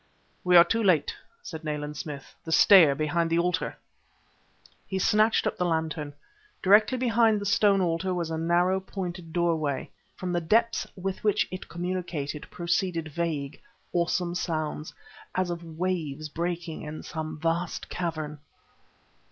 "We are too late!" said Nayland Smith. "The stair behind the altar!" He snatched up the lantern. Directly behind the stone altar was a narrow, pointed doorway. From the depths with which it communicated proceeded vague, awesome sounds, as of waves breaking in some vast cavern....